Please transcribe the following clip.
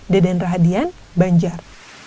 deden rahadian banjar